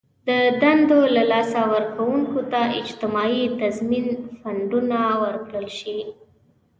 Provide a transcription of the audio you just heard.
د دندو له لاسه ورکوونکو ته اجتماعي تضمین فنډونه ورکړل شي.